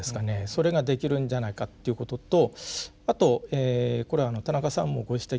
それができるんじゃないかっていうこととあとこれは田中さんもご指摘になったようにですね